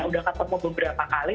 sudah ketemu beberapa kali